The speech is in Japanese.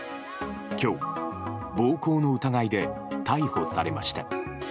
今日、暴行の疑いで逮捕されました。